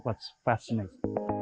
itu yang menarik